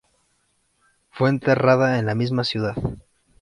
Fue enterrada en la misma ciudad.